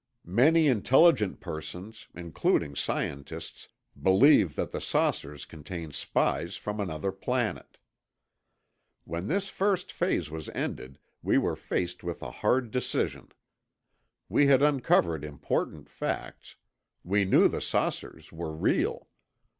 Many intelligent persons—including scientists—believe that the saucers contain spies from another planet. When this first phase was ended, we were faced with a hard decision. We had uncovered important facts, We knew the saucers were real.